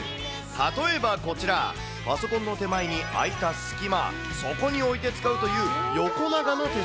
例えばこちら、パソコンの手前に空いた隙間、そこに置いて使うという横長の手